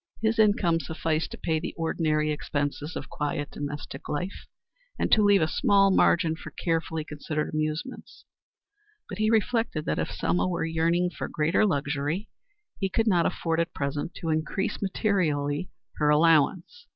His income sufficed to pay the ordinary expenses of quiet domestic life, and to leave a small margin for carefully, considered amusements, but he reflected that if Selma were yearning for greater luxury, he could not afford at present to increase materially her allowance.